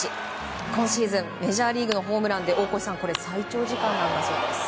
今シーズンメジャーリーグのホームランで大越さん最長時間なんだそうです。